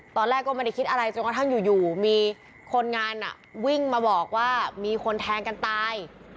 ตอนแรกก็ไม่ได้คิดอะไรจนกระทั่งอยู่มีคนงานวิ่งมาบอกว่ามีคนแทงกันตาย